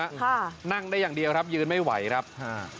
ค่ะนั่งได้อย่างเดียวครับยืนไม่ไหวครับค่ะ